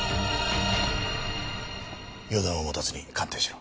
予断を持たずに鑑定しろ。